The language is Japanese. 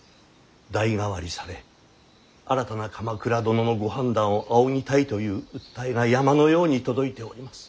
代替わりされ新たな鎌倉殿のご判断を仰ぎたいという訴えが山のように届いております。